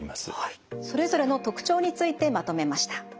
それぞれの特徴についてまとめました。